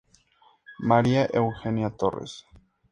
María Eugenia Torres.